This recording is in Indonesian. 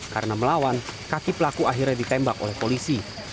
karena melawan kaki pelaku akhirnya ditembak oleh polisi